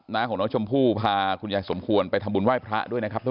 ของน้องชมพู่พาคุณยายสมควรไปทำบุญไหว้พระด้วยนะครับ